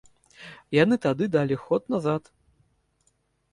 Яны тады далі ход назад.